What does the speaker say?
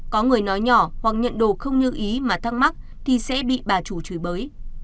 có người nói nhỏ hoặc nhận đồ không như ý mà thắc mắc thì sẽ bị bà chủ chửi bới